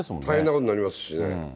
大変なことになりますしね。